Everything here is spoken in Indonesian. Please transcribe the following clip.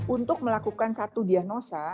untuk melakukan satu diagnosa